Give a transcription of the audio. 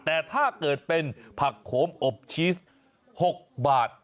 แต่ถ้าเกิดเป็นผักโขมอบชีส๖บาท